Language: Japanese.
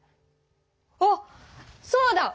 あっそうだ！